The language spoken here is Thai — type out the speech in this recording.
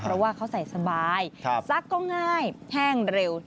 เพราะว่าเขาใส่สบายซักก็ง่ายแห้งเร็ว